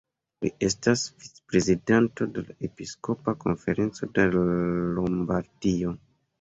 Li estas vic-prezidanto de la Episkopa konferenco de Lombardio.